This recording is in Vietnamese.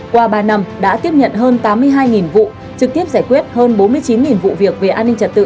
qua ba năm đã tiếp nhận hơn tám mươi hai vụ trực tiếp giải quyết hơn bốn mươi chín vụ việc về an ninh trật tự